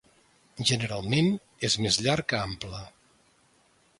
Generalment és més llarg que ample.